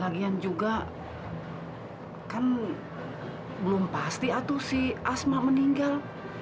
lagian juga kan belum pasti atau si asma meninggal